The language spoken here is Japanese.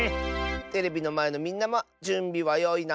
テレビのまえのみんなもじゅんびはよいな。